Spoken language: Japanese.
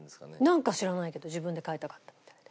なんか知らないけど自分で買いたかったみたいで。